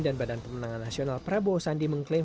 dan badan pemenangan nasional prabowo sandiaga mengklaim